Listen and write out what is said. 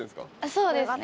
そうですね。